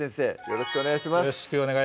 よろしくお願いします